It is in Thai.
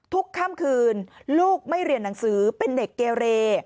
ค่ำคืนลูกไม่เรียนหนังสือเป็นเด็กเกเร